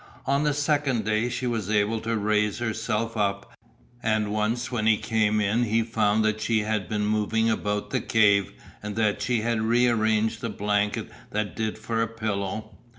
On the second day she was able to raise herself up, and once when he came in he found that she had been moving about the cave and that she had rearranged the blanket that did for a pillow.